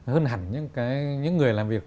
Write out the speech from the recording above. hơn hẳn những người làm việc